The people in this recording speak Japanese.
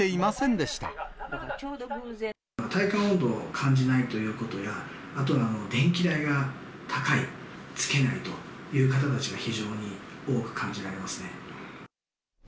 体感温度を感じないということや、あと電気代が高い、つけないという方たちが非常に多く感じられますね。